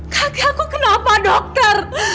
kaki aku kenapa dokter